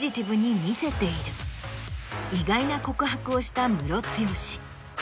意外な告白をしたムロツヨシ。